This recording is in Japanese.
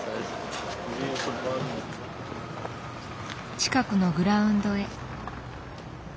近くのグラウンドへ。